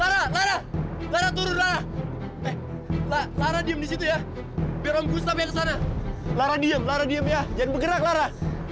lara jangan bergerak ya